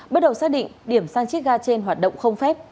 bước đầu xác định điểm sang chiếc ga trên hoạt động không phép